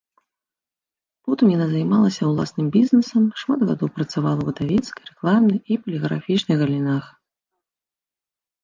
Потым яна займалася ўласным бізнесам, шмат гадоў працавала ў выдавецкай, рэкламнай і паліграфічнай галінах.